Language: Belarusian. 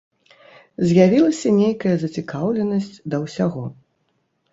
З'явілася нейкая зацікаўленасць да ўсяго.